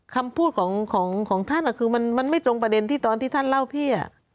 คำพูดของท่านคือมันไม่ตรงประเด็นที่ตอนที่ท่านเล่าพี่